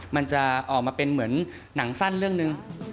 มันจะออกมาเป็นเหมือนหนังสั้นเรื่องหนึ่ง